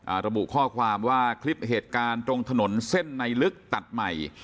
ระบุข้อความว่าคลิปเหตุการณ์ตรงถนนเส้นในลึกตัดใหม่